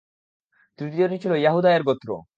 তৃতীয়টি ছিল ইয়াহুদা-এর গোত্র।